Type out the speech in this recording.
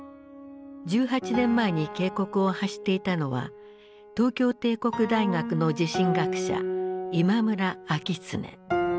１８年前に警告を発していたのは東京帝国大学の地震学者今村明恒。